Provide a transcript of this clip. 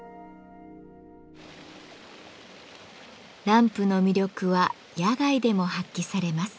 ランプの魅力は野外でも発揮されます。